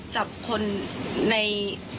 จับคนใน